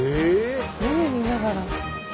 海見ながら。